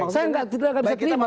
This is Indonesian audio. saya tidak bisa terima